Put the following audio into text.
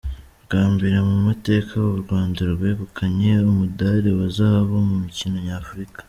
Bwa mbere mu mateka u Rwanda rwegukanye umudali wa Zahabu mu mikino Nyafurika.